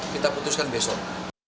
kita putuskan besok